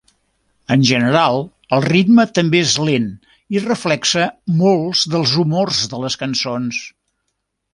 En general el ritme també és lent i reflexa molts dels humors de les cançons.